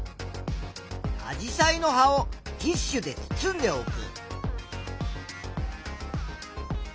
アジサイの葉をティッシュで包んでおく。